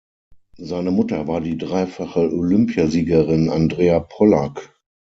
Seine Mutter war die dreifache Olympiasiegerin Andrea Pollack.